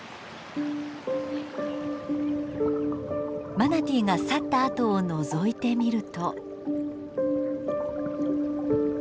マナティーが去ったあとをのぞいてみると。